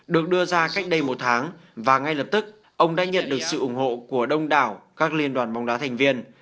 được đưa ra cách đây một tháng và ngay lập tức ông đã nhận được sự ủng hộ của đông đảo các liên đoàn bóng đá thành viên